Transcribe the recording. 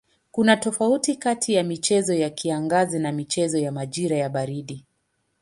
Kuna tofauti kati ya michezo ya kiangazi na michezo ya majira ya baridi.